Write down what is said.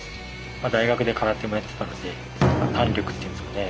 大学で空手もやってたので胆力っていうんですかね